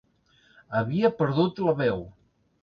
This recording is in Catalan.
Havia perdut la veu